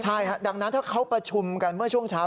ใช่ฮะดังนั้นถ้าเขาประชุมกันเมื่อช่วงเช้า